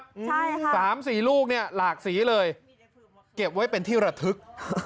ใช่ค่ะสามสี่ลูกเนี่ยหลากสีเลยเก็บไว้เป็นที่ระทึก